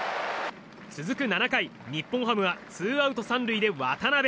続く７回、日本ハムはツーアウト３塁で渡邉。